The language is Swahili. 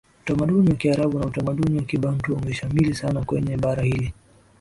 utamaduni wa Kiarabu na utamaduni wa kibantu umeshamili Sana Kwenye bara hili